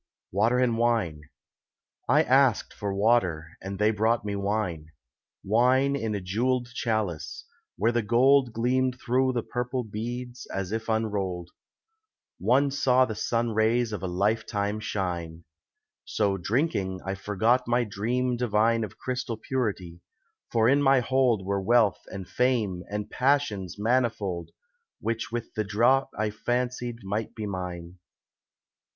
WATER AND WINE I asked for water and they brought me wine; Wine in a jewelled chalice, where the gold Gleamed thro' the purple beads, as if unrolled One saw the sun rays of a life time shine. So drinking, I forgot my dream divine Of crystal purity, for in my hold Were wealth and Fame and Passions manifold Which with the draught I fancied might be mine.